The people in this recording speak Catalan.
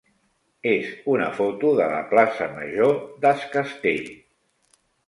és una foto de la plaça major d'Es Castell.